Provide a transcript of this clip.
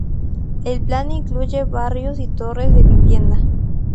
El plan incluye barrios y torres de vivienda.